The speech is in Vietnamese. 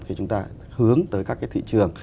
khi chúng ta hướng tới các cái thị trường